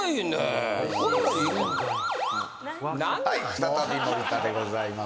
再び森田でございます。